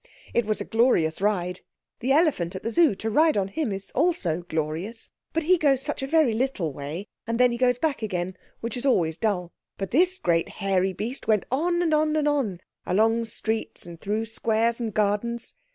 It was a glorious ride. The elephant at the Zoo—to ride on him is also glorious, but he goes such a very little way, and then he goes back again, which is always dull. But this great hairy beast went on and on and on along streets and through squares and gardens.